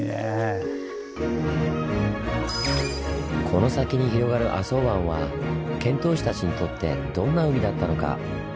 この先に広がる浅茅湾は遣唐使たちにとってどんな海だったのか？